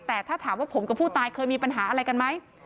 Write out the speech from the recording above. แต่ถ้าถามว่าผมกับผู้ตายเคยมีปัญหาอะไรกันไหม